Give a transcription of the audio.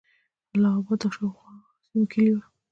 اله آباد د شاوخوا سیمو کیلي وه.